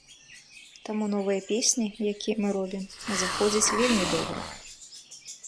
Таму новыя песні, якія мы робім, заходзяць вельмі добра!